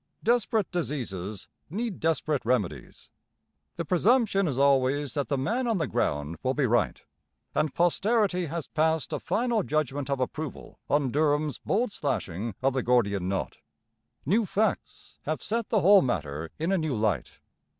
Desperate diseases need desperate remedies. The presumption is always that the man on the ground will be right; and posterity has passed a final judgment of approval on Durham's bold slashing of the Gordian knot. New facts have set the whole matter in a new light.